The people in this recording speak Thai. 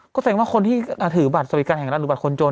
ก็แสดงว่าคนที่ถือบัตรสวัสดิการแห่งรัฐหรือบัตรคนจน